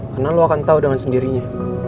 karena lo akan tau dengan sendirinya